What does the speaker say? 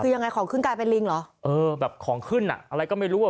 คือยังไงของขึ้นกลายเป็นลิงเหรอเออแบบของขึ้นอ่ะอะไรก็ไม่รู้อ่ะ